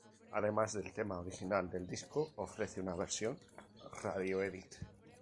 Además del tema original del disco, ofrece una versión radio-edit.